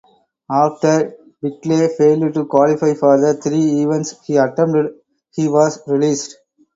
After Bigley failed to qualify for the three events he attempted, he was released.